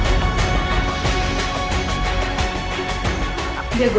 kasih dia duit